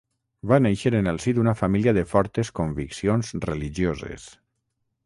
Va néixer en el si d'una família de fortes conviccions religioses.